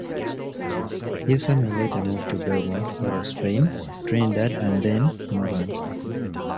His family later moved to Belmont, Port-of-Spain, Trinidad, and then Morvant.